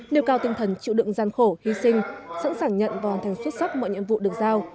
nêu cao tinh thần chịu đựng gian khổ hy sinh sẵn sàng nhận và hoàn thành xuất sắc mọi nhiệm vụ được giao